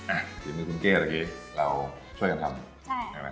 อ่ะเดี๋ยวมีคุณเก่ตะกี้เราช่วยกันทำน่ะครับ